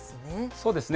そうですね。